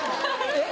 えっ？